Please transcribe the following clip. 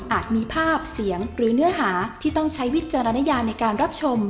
มีภาพเสียงหรือเนื้อหาที่ต้องใช้วิจารณญาในการรับชม